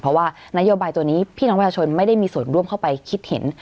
เพราะว่านโยบายตัวนี้พี่น้องประชาชนไม่ได้มีส่วนร่วมเข้าไปคิดเห็น